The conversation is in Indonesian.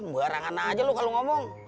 barangan aja lu kalau ngomong